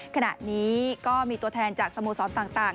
ขณะนี้ก็มีตัวแทนจากสโมสรต่าง